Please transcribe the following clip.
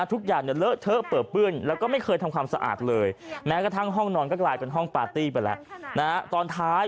ทุกอย่างเนี่ยเลอะเทอะเปิดเปื้อนแล้วก็ไม่เคยทำความสะอาดเลยแม้กระทั่งห้องนอนก็กลายเป็นห้องปาร์ตี้ไปแล้วนะตอนท้าย